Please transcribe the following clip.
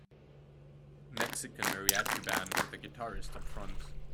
Mexican mariachi band with the guitarist up front.